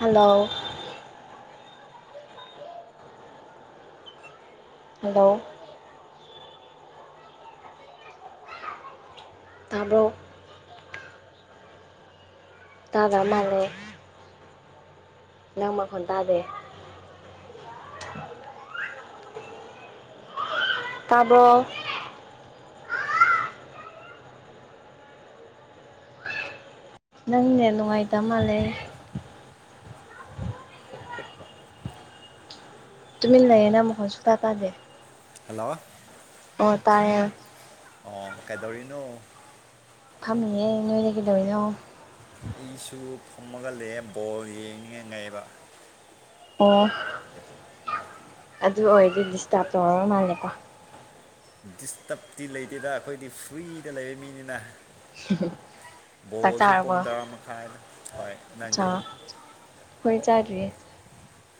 hello hello ꯇꯥꯕ꯭ꯔꯣ ꯇꯥꯗ ꯃꯥꯜꯂꯦ ꯅꯪ ꯃꯈꯣꯟ ꯇꯥꯗꯦ ꯇꯥꯕ꯭ꯔꯣ ꯅꯪ ꯅꯦꯠ ꯅꯨꯡꯉꯥꯏꯇ ꯃꯥꯜꯂꯦ ꯇꯨꯃꯤꯟꯅ ꯂꯩꯌꯦꯅ ꯃꯈꯣꯟꯁꯨꯨꯛꯇꯥ ꯇꯥꯗꯦ ꯍꯜꯂꯣ ꯑꯣ ꯇꯥꯔꯦ ꯑꯣ ꯀꯩꯗꯧꯔꯤꯅꯣ ꯐꯝꯃꯤꯌꯦ ꯅꯣꯏꯗꯤ ꯀꯩꯗꯧꯋꯤꯅꯣ ꯑꯩꯁꯨ ꯐꯨꯝꯃꯒ ꯂꯩꯌꯦ ꯕꯣꯜ ꯌꯦꯡꯅꯤꯡꯉꯩ ꯉꯥꯏꯑꯕ ꯑꯣ ꯑꯗꯨ ꯑꯣꯏꯔꯗꯤ ꯗꯤꯁꯇꯥꯔꯕ ꯇꯧꯔꯕ ꯃꯥꯜꯂꯦꯀꯣ ꯗꯤꯁꯇꯔꯕꯇꯤ ꯂꯩꯇꯦꯗ ꯑꯩꯈꯣꯏꯗꯤ ꯐ꯭ꯔꯤꯗ ꯂꯩꯕ ꯃꯤꯅꯤꯅ ꯆꯥꯛ ꯕꯣꯜꯁꯨ ꯄꯨꯡ ꯆꯥꯔꯕꯣ ꯇꯔꯥ ꯃꯈꯥꯏꯗ ꯍꯣꯏ ꯆꯥ ꯅꯪꯗꯤ ꯍꯣꯏ ꯆꯥꯈꯤꯒꯦ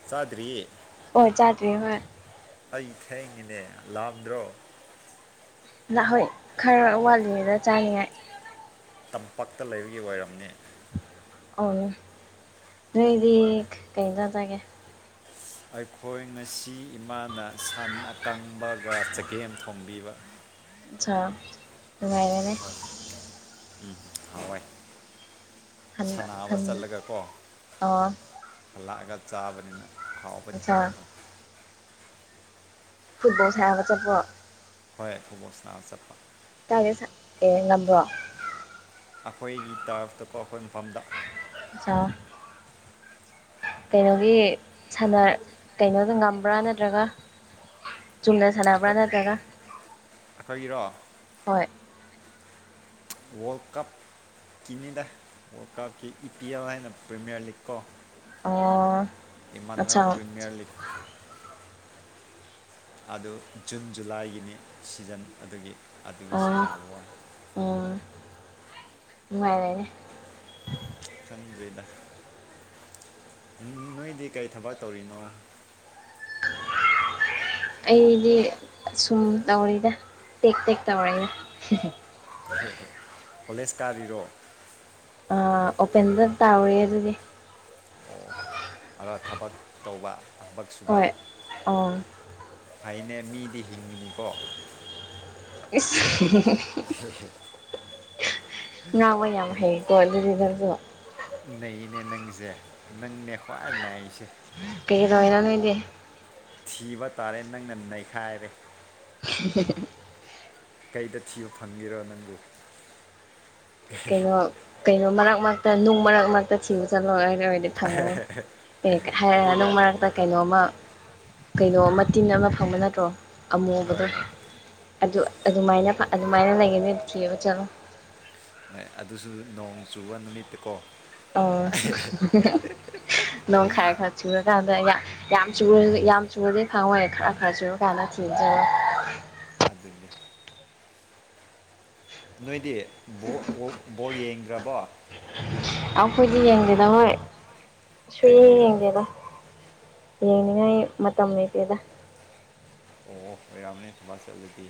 ꯆꯥꯗ꯭ꯔꯤ ꯍꯣꯏ ꯆꯥꯗꯔꯤ ꯍꯣꯏ ꯑꯩ ꯊꯦꯡꯉꯤꯅꯦ ꯂꯥꯝꯗ꯭ꯔꯣ ꯗ ꯍꯣꯏ ꯈꯔ ꯋꯥꯠꯂꯤꯉꯩꯗ ꯆꯥꯅꯤꯡꯉꯥꯏ ꯇꯝꯄꯥꯛꯛꯇ ꯂꯩꯕꯒꯤ ꯑꯣꯏꯔꯝꯅꯤ ꯑꯪ ꯅꯣꯏꯗꯤ ꯀꯩ ꯏꯟꯁꯥꯡ ꯆꯥꯒꯦ ꯑꯩꯈꯣꯏ ꯉꯁꯤ ꯏꯃꯥꯅ ꯁꯟ ꯑꯀꯪꯕꯒ ꯆꯒꯦꯝ ꯊꯣꯝꯕꯤꯕ [unintelligible] ꯍꯣꯏ ꯎꯝ ꯍꯥꯎꯋꯦ ꯍꯟ ꯁꯥꯅꯕ ꯍꯟ ꯆꯠꯂꯒꯀꯣ ꯑꯣ ꯍꯜꯂꯛꯑꯒ ꯆꯥꯕꯅꯤꯅ ꯍꯥꯎꯕꯗꯤ ꯑꯠꯁꯥ ꯍꯥꯎꯋꯥꯏ ꯍꯔꯦ ꯐꯨꯠꯕꯣꯜ ꯁꯥꯅꯕ ꯆꯠꯄ ꯍꯣꯏ ꯐꯨꯠꯕꯣꯜ ꯁꯅꯥꯕ ꯆꯠꯄ [unintelligible] ꯉꯝꯕ꯭ꯔꯣ ꯑꯩꯈꯣꯏꯒꯤ ꯇꯔꯐꯇꯀꯣ ꯑꯩꯈꯣꯏ ꯃꯐꯝꯗ ꯆꯥꯎ ꯀꯩꯅꯣꯒꯤ ꯁꯅ ꯀꯩꯅꯣꯗ ꯉꯝꯕ꯭ꯔꯥ ꯅꯠꯇ꯭ꯔꯒ ꯆꯨꯝꯅ ꯑꯩꯈꯣꯏ ꯁꯥꯟꯅꯕ꯭ꯔꯥ ꯅꯠꯇ꯭ꯔꯒ ꯑꯩꯈꯣꯏꯒꯤꯔꯣ ꯍꯣꯏ world cup team India world ꯀꯞꯀꯤ ꯏ ꯄꯤ ꯑꯦꯜ ꯍꯥꯏꯅ ꯄ꯭ꯔꯤꯃꯤꯌꯥꯔ ꯂꯤꯒ ꯀꯣ ꯑꯣ ꯑꯠꯆꯥ ꯏꯃꯥꯅꯨꯋꯦꯜ ꯄ꯭ꯔꯤꯃꯤꯌꯔ ꯂꯤꯒ ꯑꯗꯨ ꯖꯨꯟ ꯖꯨꯂꯥꯏꯒꯤꯅꯤ ꯁꯤꯖꯟ ꯑꯗꯨꯒꯤ ꯑꯗꯨꯒꯤ ꯑꯣ ꯁꯥꯟꯅꯕ ꯋꯥꯅꯤ ꯎꯝ ꯅꯨꯡꯉꯥꯏꯔꯦꯅꯦ ꯈꯪꯗ꯭ꯔꯦꯗ ꯎꯝ ꯎꯝ ꯅꯣꯏꯗꯤ ꯀꯔꯤ ꯊꯕꯛ ꯇꯧꯔꯤꯅꯣ ꯑꯩꯗꯤ ꯑꯁꯨꯝ ꯇꯧꯔꯤꯗ ꯇꯦꯛ ꯇꯦꯛ ꯇꯧꯔꯦꯗ ꯍꯦ ꯍꯦ ꯀꯣꯂꯦꯖ ꯀꯥꯔꯤꯔꯣ ꯑꯥ ꯑꯣꯄꯦꯟꯗ ꯇꯥꯎꯔꯤ ꯑꯗꯨꯗꯤ ꯑꯣ ꯑꯥꯗ ꯊꯕꯛ ꯇꯧꯕ ꯊꯕꯛ ꯁꯨꯕ ꯍꯣꯏ ꯑꯣ ꯍꯥꯏꯅꯦ ꯃꯤꯗꯤ ꯍꯤꯡꯉꯤꯅꯤꯀꯣ ꯏꯁ ꯑꯍꯦ ꯍꯦ ꯉꯥꯡꯕ ꯌꯥꯝ ꯍꯩꯀꯣ ꯑꯗꯨꯗꯤ ꯅꯪꯁꯨ ꯅꯩꯅꯦ ꯅꯪꯁꯦ ꯅꯪꯅꯦ ꯈ꯭ꯋꯥꯏ ꯅꯩꯁꯦ ꯀꯩ ꯔꯣꯏꯅꯣ ꯅꯣꯏꯗꯤ ꯊꯤꯕ ꯇꯥꯔꯦ ꯅꯪꯅ ꯅꯩꯈꯥꯏꯔꯦ [unintelligible] ꯀꯩꯗ ꯊꯤꯕ ꯐꯪꯒꯦꯔꯣ ꯅꯪꯕꯨ ꯀꯩꯅꯣ ꯀꯩꯅꯣ ꯃꯔꯛ ꯃꯔꯛꯇ ꯅꯨꯡ ꯃꯔꯛ ꯃꯔꯛꯇ ꯊꯤꯕ ꯆꯠꯂꯣ ꯍꯥꯏꯔ ꯑꯣꯏꯗꯤ ꯐꯪꯒꯅꯤ ꯑꯦ ꯍꯥꯏꯔ ꯑꯗꯨꯒ ꯅꯨꯡ ꯃꯔꯛꯇ ꯀꯩꯅꯣꯝꯃ ꯀꯩꯅꯣ ꯑꯃ ꯇꯤꯟ ꯑꯃ ꯐꯪꯕ ꯅꯠꯇ꯭ꯔꯣ ꯍꯣꯏ ꯑꯃꯨꯕꯗꯣ ꯍꯣꯏ ꯑꯗꯨ ꯑꯗꯨꯃꯥꯏꯅ ꯑꯗꯨꯃꯥꯏꯅ ꯂꯩꯒꯅꯤ ꯊꯤꯕ ꯆꯠꯂꯣ ꯍꯣꯏ ꯑꯗꯨꯁꯨ ꯅꯣꯡ ꯆꯨꯕ ꯅꯨꯃꯤꯠꯇꯀꯣ ꯑꯣ ꯅꯣꯡ ꯈꯔ [unintelligible] ꯈꯔ ꯆꯨꯔꯀꯥꯟꯗ ꯌꯥꯝ ꯌꯥꯝ ꯆꯨꯔꯒ ꯍꯣꯏ ꯌꯥꯝ ꯆꯨꯔꯗꯤ ꯐꯪꯉꯣꯏ ꯈꯔ ꯈꯔ ꯆꯨꯔꯀꯥꯟꯗ ꯊꯤꯕ ꯆꯠꯂꯣ ꯑꯗꯨꯏꯅꯦ ꯅꯣꯏꯗꯤ ꯕꯣ ꯑꯣ ꯕꯣꯜ ꯌꯦꯡꯗ꯭ꯔꯕꯣ ꯑꯈꯣꯏꯗꯤ ꯌꯦꯡꯗꯦꯗ ꯍꯣꯏ ꯀꯩꯒꯤ ꯁꯨꯌꯦꯡ ꯌꯦꯡꯗꯦꯗ ꯌꯦꯡꯅꯤꯡꯉꯥꯏ ꯃꯇꯝ ꯂꯩꯇꯦꯗ ꯑꯣ ꯑꯣꯏꯔꯝꯅꯦ ꯊꯕꯛ ꯆꯠꯂꯗꯤ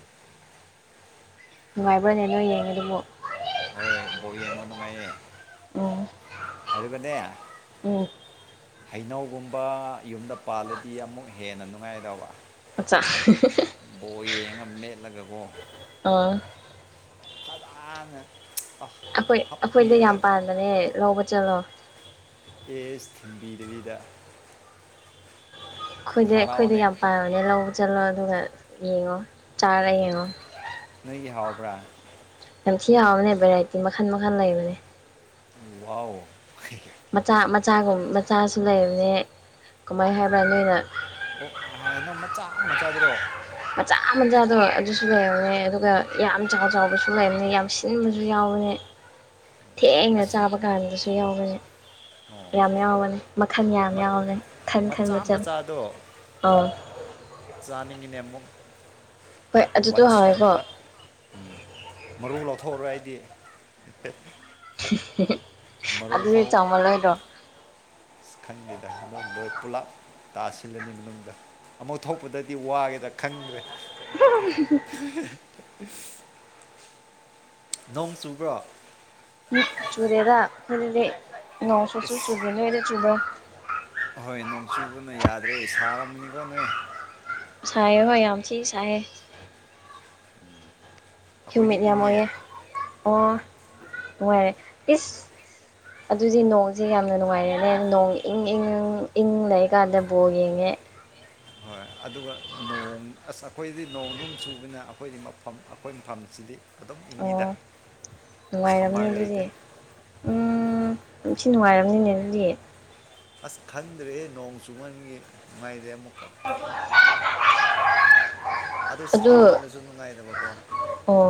ꯅꯨꯡꯉꯥꯏꯕ꯭ꯔꯥꯅꯦ ꯅꯣꯏ ꯌꯦꯡꯉꯤꯗꯨꯕꯨ ꯍꯣꯏ ꯕꯣꯜ ꯌꯦꯡꯕ ꯅꯨꯡꯉꯥꯏꯌꯦ ꯎꯝ ꯑꯗꯨꯒꯅꯦ ꯎꯝ ꯍꯩꯅꯧꯒꯨꯝꯕ ꯌꯨꯝꯗ ꯄꯥꯜꯂꯗꯤ ꯑꯃꯨꯛ ꯍꯦꯟꯅ ꯅꯨꯡꯉꯥꯏꯒꯗꯧꯕ ꯑꯆꯥ ꯕꯣꯜ ꯌꯦꯡꯉ ꯃꯦꯠꯂꯒꯀꯣ ꯑꯥ ꯐꯖꯥꯅ ꯑꯈꯣꯏ ꯑꯈꯣꯏꯗ ꯌꯥꯝ ꯄꯥꯟꯕꯅꯦ ꯂꯧꯕ ꯆꯠꯂꯣ ꯑꯦꯖ ꯊꯤꯟꯕꯤꯗꯕꯤꯗ ꯑꯩꯈꯣꯏꯗ ꯑꯩꯈꯣꯏꯗ ꯌꯥꯝ ꯄꯥꯟꯕꯅꯦ ꯂꯧꯕ ꯆꯠꯂꯣ ꯑꯗꯨꯒ ꯌꯦꯡꯉꯣ ꯆꯥꯔ ꯌꯦꯡꯉꯣ ꯅꯣꯏꯒꯤ ꯍꯥꯎꯕ꯭ꯔꯥ ꯌꯥꯝ ꯊꯤ ꯍꯥꯎꯕꯅꯦ ꯚꯦꯔꯥꯏꯇꯤ ꯃꯈꯜ ꯃꯈꯜ ꯂꯩꯕꯅꯦ ꯋꯥꯎ ꯃꯆꯥ ꯃꯆꯥꯒꯨꯝ ꯃꯆꯥꯁꯨ ꯂꯩꯕꯅꯦ ꯀꯃꯥꯏ ꯍꯥꯏꯕ꯭ꯔꯥ ꯅꯣꯏꯅ ꯑꯣ ꯍꯥꯏꯅꯧ ꯃꯆꯥ ꯃꯆꯥꯗꯨꯔꯣ ꯃꯆꯥ ꯃꯆꯥꯗꯣ ꯑꯗꯨꯁꯨ ꯂꯩꯕꯅꯦ ꯑꯗꯨꯒ ꯌꯥꯝ ꯆꯥꯎ ꯆꯥꯎꯕꯁꯨ ꯂꯩꯕꯅꯦ ꯌꯥꯝ ꯁꯤꯟꯕꯁꯨ ꯌꯥꯎꯕꯅꯦ ꯊꯦꯡꯅ ꯆꯥꯕ ꯀꯥꯟꯗꯁꯨ ꯌꯥꯎꯒꯅꯤ ꯌꯥꯝ ꯌꯥꯎꯕꯅꯤ ꯃꯈꯜ ꯌꯥꯝ ꯌꯥꯎꯅꯤ ꯈꯟ ꯈꯟ ꯃꯆꯜ [unintelligible] ꯆꯥꯅꯤꯡꯉꯤꯅꯦ ꯑꯃꯨꯛ ꯍꯣꯏ ꯑꯗꯨꯗꯣ ꯋꯥꯟ ꯍꯥꯎꯋꯦꯀꯣ ꯁꯣꯠꯇ ꯎꯝ ꯃꯔꯨ ꯂꯥꯎꯊꯣꯛꯑꯔꯣꯏ ꯑꯩꯗꯤ ꯑꯗꯨꯗꯤ ꯆꯥꯎꯃꯜꯂꯣꯏꯗ꯭ꯔꯣ ꯈꯪꯗꯦꯗ ꯄꯨꯂꯞ ꯇꯥꯁꯤꯜꯂꯅꯤ ꯃꯅꯨꯡꯗ ꯑꯃꯨꯛ ꯊꯣꯛꯄꯗꯗꯤ ꯋꯥꯒꯦꯗ ꯈꯪꯗ꯭ꯔꯦ [unintelligible] [unintelligible] ꯅꯣꯡ ꯆꯨꯕ꯭ꯔꯣ ꯆꯨꯔꯨꯔꯦꯔ ꯈꯣꯏꯗꯗꯤ ꯅꯣꯡ ꯁꯨꯛꯆꯨ ꯆꯨꯗꯦ ꯅꯣꯏꯗ ꯆꯨꯕ꯭ꯔꯣ ꯑꯍꯣꯏ ꯅꯣꯡꯆꯨꯕꯅ ꯌꯥꯗ꯭ꯔꯦ ꯁꯥꯔꯝꯃꯅꯤꯀꯣ ꯅꯣꯏ ꯁꯥꯏꯌꯦ ꯍꯣꯏ ꯌꯥꯝ ꯊꯤ ꯁꯥꯏꯑꯦ ꯍ꯭ꯌꯨꯃꯤꯠ ꯌꯥꯝ ꯑꯣꯏꯌꯦ ꯑꯣ ꯅꯨꯡꯉꯥꯏꯔꯦ ꯇꯤꯁ ꯑꯗꯨꯗꯤ ꯅꯣꯡꯁꯦ ꯌꯥꯝꯅ ꯅꯨꯡꯉꯥꯏꯔꯦꯅꯦ ꯅꯣꯡ ꯏꯪ ꯏꯪ ꯏꯪ ꯂꯩꯔꯀꯥꯟꯗ ꯕꯣꯜ ꯌꯦꯡꯉꯦ ꯍꯣꯏ ꯑꯗꯨꯒ ꯅꯣꯡ ꯑꯁ ꯑꯩꯈꯣꯏꯗꯤ ꯅꯣꯡ ꯗꯨꯝ ꯆꯨꯕꯅ ꯑꯩꯈꯣꯏꯗꯤ ꯃꯐꯝ ꯑꯩꯈꯣꯏ ꯃꯐꯝꯁꯤꯗꯤ ꯑꯗꯨꯝ ꯏꯪꯉꯤꯗ ꯑꯣ ꯅꯨꯡꯉꯥꯏꯔꯝꯅꯤ ꯁꯝꯃꯔ ꯂꯩꯇꯦ ꯑꯗꯨꯗꯤ ꯎꯝ ꯊꯤ ꯅꯨꯡꯉꯥꯏꯔꯝꯅꯤꯅꯦ ꯑꯗꯨꯗꯤ ꯑꯁ ꯈꯟꯗ꯭ꯔꯦꯍꯦ ꯅꯣꯡ ꯆꯨꯃꯟꯕꯒꯤ ꯅꯨꯡꯉꯥꯏꯗꯦ ꯑꯃꯨꯛꯀ [unintelligible] ꯑꯗꯨ ꯁꯥꯃꯜꯂꯁꯨ ꯅꯨꯡꯉꯥꯏꯗꯕꯀꯣ ꯑꯣ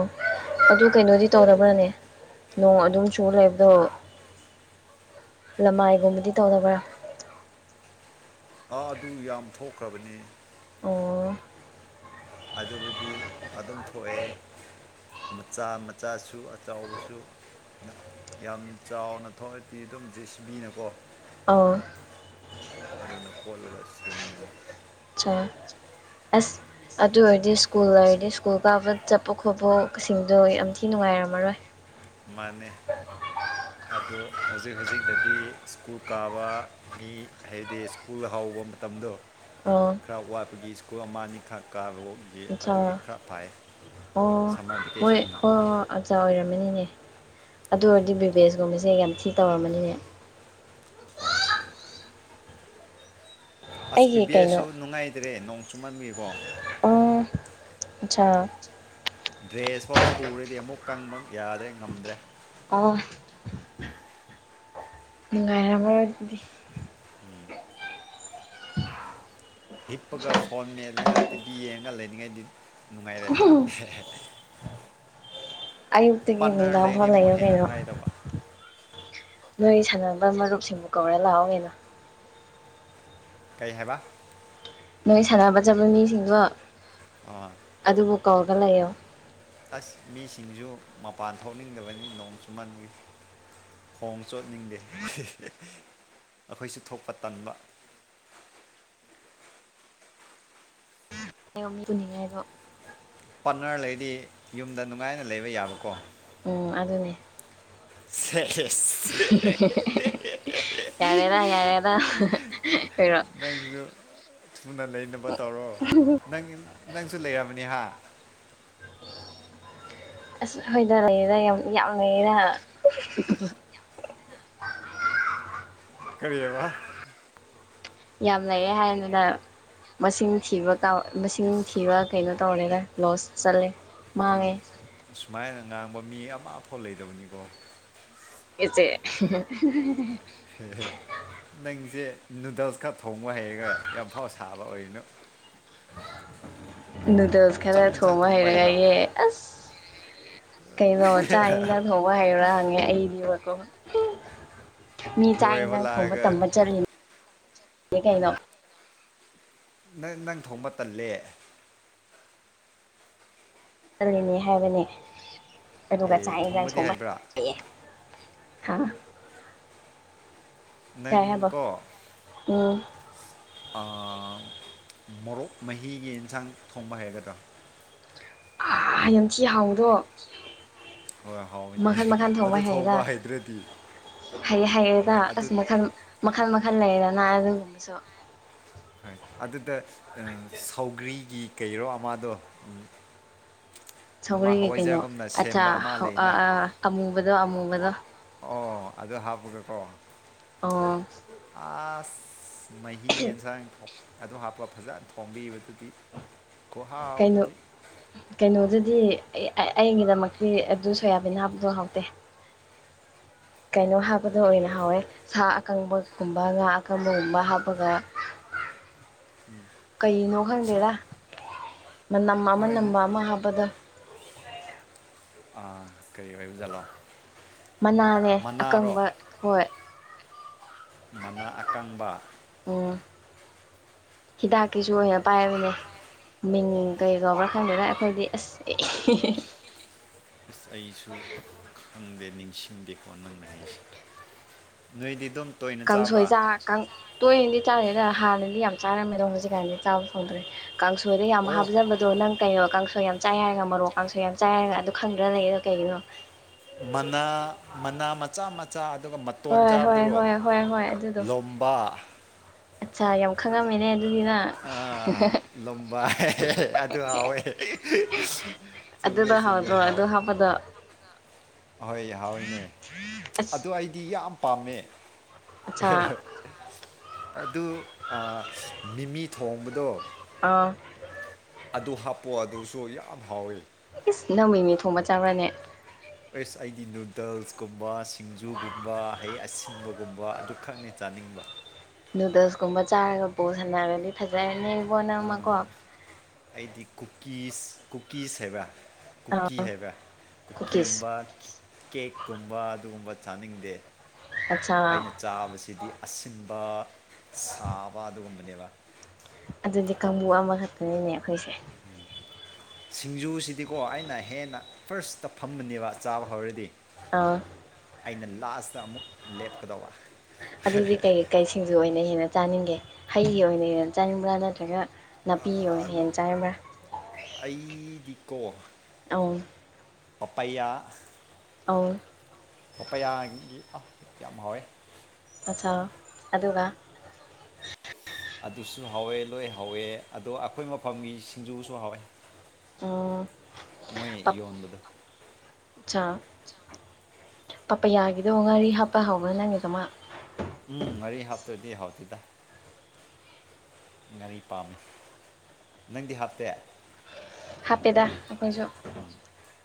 ꯑꯗꯨ ꯀꯩꯅꯣꯗꯤ ꯇꯧꯔꯕ꯭ꯔꯅꯦ ꯅꯣꯡ ꯑꯗꯨꯝ ꯆꯨꯔꯥ ꯂꯩꯕꯗꯣ ꯌꯥꯝ ꯅꯥꯒꯟꯕꯗꯤ ꯇꯧꯗꯕ꯭ꯔꯥ ꯑꯥ ꯑꯗꯨ ꯌꯥꯝ ꯊꯣꯛꯈ꯭ꯔꯕꯅꯤ ꯑꯣ ꯑꯗꯨꯕꯨꯗꯤ ꯑꯗꯨꯝ ꯊꯣꯛꯑꯦ ꯃꯆꯥ ꯃꯆꯥꯁꯨ ꯑꯆꯧꯕꯁꯨ ꯌꯥꯝ ꯆꯥꯎꯅ ꯊꯣꯛꯑꯗꯤ ꯑꯗꯨꯝ ꯖꯦꯁꯤꯕꯤꯅꯀꯣ ꯑꯣ ꯑꯗꯨꯅ ꯀꯣꯠꯂꯒ ꯁꯦꯡꯕꯅꯤ ꯑꯁ ꯑꯗꯨ ꯑꯣꯏꯔꯗꯤ ꯁ꯭ꯀꯨꯜ ꯑꯣꯏꯔꯗꯤ ꯁ꯭ꯀꯨꯜ ꯀꯥꯕ ꯆꯠꯄ ꯈꯣꯠꯄꯁꯤꯡꯗꯣ ꯌꯥꯝ ꯊꯤ ꯅꯨꯡꯉꯥꯏꯔꯝꯃꯔꯣꯏ ꯃꯥꯥꯅꯦ ꯑꯗꯣ ꯍꯧꯖꯤꯛ ꯍꯧꯖꯤꯛꯗꯗꯤ ꯁ꯭ꯀꯨꯜ ꯀꯥꯕ ꯒꯤ ꯍꯥꯏꯕꯗꯤ ꯁ꯭ꯀꯨꯜ ꯍꯧꯕ ꯃꯇꯝꯗꯣ [unintelligible] ꯈꯔ ꯋꯥꯠꯄꯒꯤ ꯁ꯭ꯀꯨꯜ ꯑꯃ ꯑꯅꯤ ꯈꯛ ꯒꯤ ꯑꯗꯨꯒꯤ ꯑꯠꯆꯥ ꯈꯔ ꯐꯥꯏꯌꯦ ꯑꯣ ꯁꯝꯃꯔ ꯃꯣꯏ ꯍꯣꯏ ꯚꯦꯀꯦꯁꯟꯅ ꯍꯣꯏ ꯑꯣꯏꯔꯝꯃꯅꯤꯅꯦ ꯑꯗꯨ ꯑꯣꯏꯔꯗꯤ ꯕꯤꯕꯦꯁꯀꯨꯝꯕꯁꯦ ꯌꯥꯝ ꯊꯤ ꯇꯧꯔꯝꯃꯅꯤꯅꯦ ꯍꯣꯏ ꯑꯁ ꯑꯩꯒꯤ ꯀꯩꯅꯣ ꯄꯤꯕꯤꯑꯦꯁꯨ ꯅꯨꯡꯉꯥꯏꯗ꯭ꯔꯦ ꯅꯣꯡ ꯆꯨꯃꯟꯕꯒꯤꯀꯣ [unintelligible] ꯗ꯭ꯔꯦꯁꯐꯥꯎ ꯁꯨꯔꯗꯤ ꯑꯃꯨꯛ ꯀꯪꯕ ꯌꯥꯗ꯭ꯔꯦ ꯉꯝꯗ꯭ꯔꯦ ꯑꯣ ꯅꯨꯡꯉꯥꯏꯔꯝꯃꯔꯣꯏ ꯑꯗꯨꯗꯤ ꯎꯝ ꯍꯤꯞꯄꯒ ꯐꯣꯟ ꯃꯦꯠꯂꯒ ꯇꯤꯚꯤ ꯌꯦꯡꯉꯒ ꯂꯩꯅꯤꯉꯥꯏꯗꯤ ꯅꯨꯡꯉꯥꯏꯔꯦ ꯑꯌꯨꯛꯇꯒꯤ ꯄꯥꯔꯠꯅꯔ ꯅꯨꯡꯗꯥꯡꯐꯥꯎ ꯂꯩꯔꯗꯤ ꯑꯃꯨꯛ ꯂꯩꯔꯣ ꯍꯦꯟꯅ ꯀꯩꯅꯣ ꯅꯨꯡꯉꯥꯏꯗꯧꯕ ꯅꯣꯏꯒꯤ ꯁꯥꯟꯅꯕ ꯃꯔꯨꯞꯁꯤꯡꯕꯨ ꯀꯧꯔ ꯂꯥꯛꯑꯣ ꯀꯩꯅꯣ ꯀꯩ ꯍꯥꯏꯕ ꯅꯣꯏ ꯁꯥꯟꯅꯕ ꯆꯠꯄ ꯃꯤꯁꯤꯡꯗꯣ ꯑꯥ ꯑꯗꯨꯕꯨ ꯀꯧꯔꯒ ꯂꯩꯌꯣ ꯑꯁ ꯃꯤꯁꯤꯡꯖꯨ ꯃꯄꯥꯟ ꯊꯣꯛꯅꯤꯡꯗꯕꯅꯤ ꯅꯣꯡ ꯆꯨꯃꯟꯕꯒꯤ ꯈꯣꯡ ꯆꯣꯠꯅꯤꯡꯗꯦ ꯑꯩꯈꯣꯏꯁꯨ ꯊꯣꯛꯄ ꯇꯟꯕ [unintelligible] ꯄꯨꯅꯤꯡꯉꯦ ꯍꯥꯏꯕꯨ ꯄꯥꯔꯠꯅꯔ ꯂꯩꯔꯗꯤ ꯌꯨꯝꯗ ꯅꯨꯡꯉꯥꯏꯅ ꯂꯩꯕ ꯌꯥꯕꯀꯣ ꯎꯝ ꯑꯗꯨꯅꯦ ꯁꯦꯁ [unintelligible] ꯌꯥꯔꯦꯗ ꯌꯥꯔꯦꯗ ꯀꯩꯔꯣ ꯅꯪꯁꯨ ꯊꯨꯅ ꯂꯩꯅꯕ ꯇꯧꯔꯣ ꯅꯪꯒꯤ ꯅꯪꯁꯨ ꯂꯩꯔꯕꯅꯤ ꯍꯥ ꯑꯁ ꯈꯣꯏꯗ ꯂꯩꯔ ꯌꯥꯝ ꯌꯥꯝ ꯂꯩꯔꯅꯥ [unintelligible] ꯀꯔꯤꯕ ꯌꯥꯝ ꯂꯩꯔꯦ ꯍꯥꯏꯗꯨꯗ ꯃꯁꯤꯡ ꯊꯤꯕ ꯇꯧ ꯃꯁꯤꯡ ꯏꯁ ꯊꯤꯕ ꯀꯩꯅꯣ ꯇꯧꯔꯦꯗ ꯂꯣꯁ ꯆꯠꯂꯦ ꯃꯥꯡꯉꯦ ꯁꯨꯃꯥꯏꯅ ꯉꯥꯡꯕ ꯃꯤ ꯑꯃꯐꯥꯎ ꯂꯩꯗꯕꯅꯤꯀꯣ ꫰ꯑꯦꯖꯦ [unintelligible] ꯅꯪꯁꯦ ꯅꯨꯗꯜꯁ ꯈ ꯊꯣꯡꯕ ꯍꯩꯔꯒ ꯌꯥꯝꯐꯥꯎ ꯁꯥꯕ ꯑꯣꯏꯅꯨ ꯅꯨꯗꯜꯁ ꯈꯔ ꯆꯥꯛ ꯌꯦꯟꯁꯥꯡ ꯊꯣꯡꯕ ꯍꯩꯕ꯭ꯔꯣ ꯍꯩꯔꯒꯌꯦ ꯑꯁ ꯀꯩꯅꯣ ꯆꯥꯛ ꯏꯟꯖꯥꯡ ꯊꯣꯡꯕ ꯍꯩꯌ꯭ꯔꯥ ꯍꯪꯉꯦ ꯑꯩꯗꯤꯕꯀꯣ ꯃꯤ ꯆꯥꯛ ꯀꯣꯏꯕ ꯌꯦꯟꯁꯥꯡ ꯊꯣꯡꯕ ꯂꯥꯛꯑꯒ ꯇꯝꯕ ꯆꯠꯂꯤꯅꯦ ꯀꯩꯅꯣ ꯅꯪ ꯅꯪ ꯊꯣꯡꯕ ꯇꯜꯂꯦ ꯆꯠꯂꯤꯅꯤ ꯍꯥꯏꯕꯅꯦ ꯑꯗꯨꯒ ꯑꯦ ꯆꯥꯛ ꯌꯦꯟꯖꯥꯡ ꯊꯣꯡꯕꯗꯤ ꯊꯣꯡꯕ ꯍꯩꯕ꯭ꯔꯥ [unintelligible] ꯍꯥ ꯅꯪ ꯇꯥꯏ ꯍꯥꯏꯕꯣ ꯀꯣ ꯎꯝ ꯑꯥ ꯃꯣꯔꯣꯛ ꯃꯍꯤꯒꯤ ꯏꯟꯁꯥꯡ ꯊꯣꯡꯕ ꯍꯩꯒꯗ꯭ꯔꯥ ꯌꯥꯝꯊꯤ ꯍꯥꯎꯕꯗꯣ ꯍꯣꯏ ꯍꯥꯎꯋꯤꯅꯦ ꯃꯈꯟ ꯑꯗꯨ ꯊꯣꯡꯕ ꯍꯩꯗ꯭ꯔꯗꯤ ꯍꯩꯌꯦ ꯍꯩꯌꯦꯗ ꯍꯣꯏ ꯑꯗꯨ ꯑꯁ ꯃꯈꯜ ꯑ- ꯃꯈꯜ ꯃꯈꯜ ꯂꯩꯌꯦꯗꯅ ꯑꯗꯨꯒꯨꯝꯕꯁꯨ ꯍꯣꯏ ꯑꯗꯨꯗ ꯁꯧꯒ꯭ꯔꯤꯒꯤ ꯀꯩꯔꯣ ꯑꯃꯗꯣ ꯑꯃ ꯁꯧꯒ꯭ꯔꯤꯒꯤ ꯀꯩꯅꯣ ꯍꯋꯥꯏꯖꯥꯔꯒꯨꯝꯅ ꯑꯆꯥ ꯁꯦꯝꯕ ꯑꯃ ꯑꯥ ꯂꯩꯅ ꯑꯥ ꯑꯃꯨꯕꯗꯣ ꯑꯃꯨꯕꯗꯣ ꯑꯣ ꯑꯗꯨ ꯍꯥꯞꯄꯒꯀꯣ ꯑꯣ ꯑꯁ ꯃꯍꯤ ꯏꯟꯁꯥꯡ ꯑꯗꯨ ꯍꯥꯞꯄ ꯐꯖꯅ ꯊꯣꯡꯕꯤꯕꯗꯨꯒꯤ ꯈꯨꯍꯥꯎꯗꯨꯗꯤ ꯀꯩꯅꯣꯗꯗꯤ ꯑꯩꯒꯤꯗꯃꯛꯇꯤ ꯑꯗꯨ ꯁꯣꯌꯥꯕꯤꯟ ꯍꯥꯞꯄꯗꯣ ꯍꯥꯎꯇꯦ [inaudible] ꯀꯩꯅꯣ ꯍꯥꯞꯄꯗꯨ ꯑꯣꯏꯅ ꯍꯥꯎꯋꯦ ꯁꯥ ꯑꯀꯪꯕꯒꯨꯝꯕ ꯉꯥ ꯑꯀꯪꯕꯒꯨꯝꯕ ꯍꯥꯞꯄꯒ ꯀꯩꯅꯣ ꯁꯥ ꯈꯪꯗꯦꯗꯥ ꯃꯅꯝ ꯑꯃ ꯍꯣꯏ ꯉ- ꯅꯝꯕ ꯑꯃ ꯍꯥꯞꯄꯗꯣ ꯑꯥ ꯀꯔꯤ ꯑꯣꯏꯕꯖꯥꯠꯂꯣ ꯃꯅꯥꯅꯦ ꯑꯀꯪꯕ ꯍꯣꯏ ꯃꯅꯥ ꯑꯀꯪꯕ ꯎꯝ ꯍꯤꯗꯥꯛꯀꯤꯁꯨ ꯑꯣꯏꯅ ꯄꯥꯏꯕꯅꯦ ꯃꯤꯡ ꯀꯩ ꯀꯧꯕ꯭ꯔꯥ ꯈꯪꯗꯦꯗ ꯑꯩꯈꯣꯏꯗꯤ ꯑꯁ ꯑꯁ ꯑꯩꯁꯨ ꯈꯪꯗꯦ ꯅꯤꯡꯁꯤꯡꯗꯦꯀꯣ ꯅꯪꯅ ꯍꯥꯏꯁꯦ ꯅꯣꯏꯗꯤ ꯗꯨꯝ ꯇꯣꯏꯅ ꯆꯥꯕ ꯀꯪ ꯇꯣꯏꯅꯗꯤ ꯆꯥꯗꯦꯗꯥ ꯍꯥꯟꯅꯗꯤ ꯌꯥꯝ ꯆꯥꯔꯝꯃꯦ ꯑꯗꯣ ꯍꯧꯖꯤꯛꯀꯥꯟꯗꯤ ꯆꯥꯕ ꯐꯪꯗ꯭ꯔꯦ ꯀꯥꯡꯁꯣꯏꯗꯥ ꯌꯥꯝ ꯆꯥꯗ꯭ꯔꯦ ꯑꯣ ꯍꯥꯞꯅꯕ ꯑꯗꯣ ꯅꯪ ꯀꯩꯅꯣ ꯀꯥꯡꯁꯣꯏ ꯌꯥꯝ ꯆꯥꯏ ꯍꯥꯏꯔꯒ ꯃꯔꯣꯛ ꯀꯥꯡꯁꯣꯏ ꯌꯥꯝ ꯆꯥꯏ ꯍꯥꯏꯔꯒ ꯑꯗꯨ ꯈꯪꯗ꯭ꯔ ꯂꯩꯔꯤꯗꯣ ꯀꯩꯒꯤꯅꯣ ꯃꯅꯥ ꯃꯅꯥ ꯃꯆꯥ ꯃꯆꯥ ꯑꯗꯨꯒ ꯇꯣꯟ ꯍꯣꯏ ꯍꯣꯏ ꯆꯥꯕꯗꯨꯔꯣ ꯍꯣꯏ ꯍꯣꯏ ꯍꯣꯏ ꯑꯗꯨꯗꯣ ꯂꯣꯝꯕ ꯑꯠꯆꯥ ꯌꯥꯝ ꯈꯪꯉꯝꯃꯤꯅꯦ ꯑꯗꯨꯗꯤꯅꯪ ꯑꯥꯥ ꯂꯣꯝꯕ ꯑꯗꯨ ꯍꯥꯎꯋꯦ ꯆꯨꯝꯃꯦ ꯆꯨꯝꯃꯦ ꯍꯥꯎꯋꯦ ꯑꯗ ꯑꯍꯣꯏ ꯍꯥꯎꯋꯤꯅꯦ ꯑꯁ ꯑꯗꯨ ꯑꯩꯗꯤ ꯌꯥꯝ ꯄꯥꯝꯃꯦ ꯑꯠꯆꯥ ꯑꯗꯨ ꯃꯤꯃꯤ ꯊꯣꯡꯕꯗꯣ ꯑꯥ ꯑꯗꯨ ꯍꯥꯞꯄꯣ ꯑꯗꯨꯁꯨ ꯌꯥꯝ ꯍꯥꯎꯋꯤ ꯏꯁ ꯅꯪꯃꯤꯃꯤ ꯊꯣꯡꯕ ꯆꯥꯕꯔꯥꯅꯦ ꯑꯦꯁ ꯑꯩꯗꯤ ꯅꯨꯗꯜꯁꯀꯨꯝꯕ ꯁꯤꯡꯖꯨꯒꯨꯝꯕ ꯍꯩ ꯑꯁꯤꯟꯕꯒꯨꯝꯕ ꯑꯗꯨ ꯈꯛꯅꯤ ꯆꯥꯅꯤꯡꯕ ꯅꯨꯗꯜꯁꯀꯨꯝꯕ ꯆꯥꯔꯒ ꯕꯣꯜ ꯄꯨꯁꯥꯟꯅꯔꯗꯤ ꯐꯖꯔꯅꯥ ꯕꯣ ꯅꯪꯃꯀꯣ ꯑꯩꯗꯤ ꯀꯨꯀꯤꯁ ꯀꯨꯀꯤꯁ ꯍꯥꯏꯕ꯭ꯔꯥ ꯀꯨꯀꯤ ꯑꯥ ꯍꯥꯏꯕ ꯀꯨꯀꯤꯁ ꯀꯨꯀꯤꯒꯨꯝꯕ ꯀꯦꯛꯀꯨꯝꯕ ꯑꯗꯨꯒꯨꯝꯕ ꯆꯥꯅꯤꯡꯗꯦ ꯑꯆꯥ ꯑꯩꯅ ꯆꯥꯕꯁꯤꯗꯤ ꯑꯁꯤꯟꯕ ꯁꯥꯕ ꯑꯗꯨꯒꯨꯝꯕꯅꯦꯕ ꯑꯗꯨꯗꯤ ꯀꯥꯡꯕꯨ ꯑꯃꯈꯛꯇꯅꯤꯅꯦ ꯑꯩꯈꯣꯏꯁꯦ ꯁꯤꯡꯖꯨꯁꯤꯗꯤꯀꯣ ꯑꯩꯅ ꯍꯦꯟꯅ ꯐꯥꯔꯁꯇ ꯐꯝꯕꯅꯦꯕ ꯆꯥꯕ ꯍꯧꯔꯗꯤ ꯑꯥ ꯑꯩꯅ ꯂꯥꯁꯇ ꯑꯃꯨꯛ ꯂꯦꯞꯀꯗꯧꯕ ꯑꯗꯨꯗꯤ ꯀꯩꯀꯩ ꯁꯤꯡꯗꯨ ꯑꯣꯏꯅ ꯍꯦꯟꯅ ꯆꯥꯅꯤꯡꯒꯦ ꯍꯩꯒꯤ ꯑꯣꯏꯅ ꯍꯦꯟꯅ ꯆꯥꯅꯤꯡꯕ꯭ꯔꯥ ꯅꯠꯇ꯭ꯔꯒ ꯅꯥꯄꯤ ꯑꯁ ꯑꯣꯏꯅ ꯍꯦꯟ ꯆꯥꯏꯔꯕ꯭ꯔꯥ ꯑꯩꯗꯤꯀꯣ ꯄꯞꯄꯩꯌꯥ ꯑ ꯄꯥꯄꯌꯥꯒꯤ ꯑ ꯌꯥꯝ ꯍꯥꯎꯋꯦ ꯑꯆꯥ ꯑꯗꯨꯒ ꯑꯗꯨꯁꯨ ꯍꯥꯎꯋꯦ ꯂꯣꯏ ꯍꯥꯎꯋꯦ ꯑꯗꯣ ꯑꯩꯈꯣꯏ ꯃꯐꯝꯒꯤ ꯁꯤꯡꯖꯨꯁꯨ ꯍꯥꯎꯋꯦ ꯑꯥ ꯃꯣꯏ ꯌꯣꯟꯕꯗꯣ ꯑꯠꯆꯥ ꯄꯄ ꯌꯥꯒꯤꯗꯣ ꯉꯥꯔꯤ ꯍꯥꯞꯄ ꯍꯧꯕ꯭ꯔꯥ ꯅꯪꯒꯤ ꯀꯃꯥꯏ ꯎꯝ ꯉꯔꯤ ꯍꯥꯞꯇꯔꯥꯗꯥ ꯍꯥꯎꯇꯦꯗ ꯉꯥꯔꯤ ꯄꯥꯝꯃꯤ ꯅꯪꯗꯤ ꯍꯥꯞꯇꯦ ꯍꯥꯞꯄꯦꯗ ꯑꯩꯈꯣꯏꯁꯨ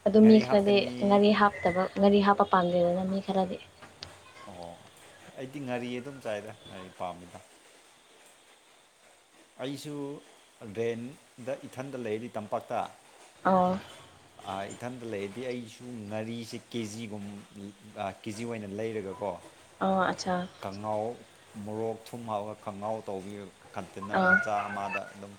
ꯑꯗꯨ ꯃꯤ ꯉꯥꯔꯤ ꯈꯔꯗꯤ ꯍꯥꯞꯀꯅꯤ ꯉꯥꯔꯤ ꯍꯥꯞꯇꯕ ꯉꯔꯤ ꯍꯥꯞꯄ ꯄꯥꯝꯗꯦꯗꯅ ꯃꯤ ꯈꯔꯗꯤ ꯑꯣ ꯑꯩꯗꯤ ꯉꯥꯔꯤ ꯑꯗꯨꯝ ꯆꯥꯏꯗ ꯉꯥꯔꯤ ꯄꯥꯝꯃꯤꯗ ꯑꯩꯁꯨ ꯔꯦꯟꯗ ꯏꯊꯟꯗ ꯂꯩꯔꯤ ꯇꯝꯄꯥꯛꯇ ꯑ ꯑ ꯏꯊꯟꯇ ꯂꯩꯔꯗꯤ ꯑꯩꯁꯨ ꯉꯥꯔꯤꯁꯦ ꯀꯦꯖꯤꯒꯨꯝ ꯀꯦꯖꯤ ꯑꯣꯏꯅ ꯂꯩꯔꯒꯀꯣ ꯑꯣ ꯑꯠꯆꯥ ꯈꯉꯥꯎ ꯃꯣꯔꯣꯛ ꯊꯨꯝꯃꯑꯒ ꯈꯍꯥꯎ ꯇꯧꯕꯤ ꯀꯟꯇꯦꯟꯅꯔ ꯑꯧ ꯃꯆꯥ ꯑꯃꯗ ꯑꯗꯨꯝ